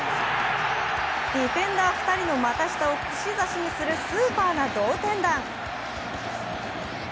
ディフェンダー２人の股下を串刺しにするスーパーな同点弾。